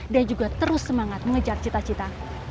dan juga terus semangat mengejar cita cita